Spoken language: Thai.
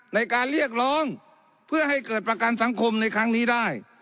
ในการเรียกร้องเพื่อให้เกิดประกันสังคมในครั้งนี้ได้